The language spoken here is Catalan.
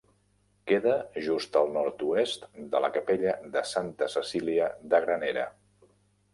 Queda just al nord-oest de la capella de Santa Cecília de Granera.